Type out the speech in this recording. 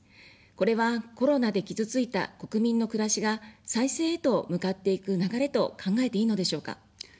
これは、コロナで傷ついた国民の暮らしが再生へと向かっていく流れと考えていいのでしょうか。